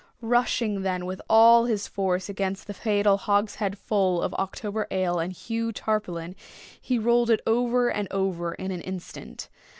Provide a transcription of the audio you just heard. Rushing then with all his force against the fatal hogshead full of October ale and Hugh Tarpaulin, he rolled it over and over in an instant.